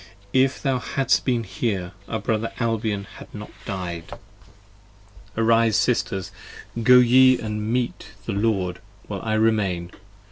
If thou hadst been here, our brother Albion had not died. 57 Arise sisters! Go ye & meet the Lord, while I remain.